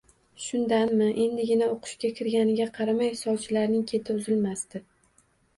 Shundanmi, endigina o`qishga kirganiga qaramay, sovchilarning keti uzilmasdi